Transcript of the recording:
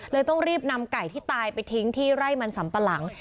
ต้องรีบนำไก่ที่ตายไปทิ้งที่ไร่มันสัมปะหลัง